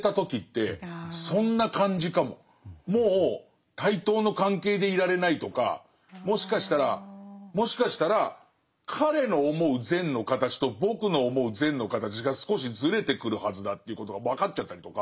もう対等の関係でいられないとかもしかしたらもしかしたら彼の思う善の形と僕の思う善の形が少しずれてくるはずだということが分かっちゃったりとか。